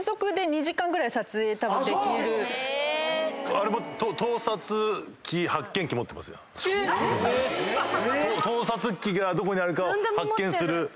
あっそう⁉えっ⁉盗撮機がどこにあるかを発見する。